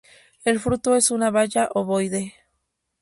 El fruto es una baya ovoide.